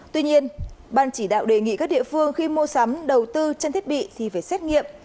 tuy nhiên ban chỉ đạo đề nghị các địa phương khi mua sắm đầu tư trang thiết bị thì phải xét nghiệm